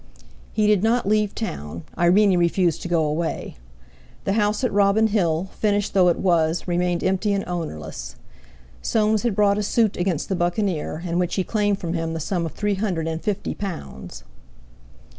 He did not leave town; Irene refused to go away. The house at Robin Hill, finished though it was, remained empty and ownerless. Soames had brought a suit against the Buccaneer, in which he claimed from him the sum of three hundred and fifty pounds.